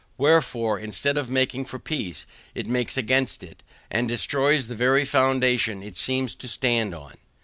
Wherefore instead of making for peace, it makes against it, and destroys the very foundation it seems to stand on.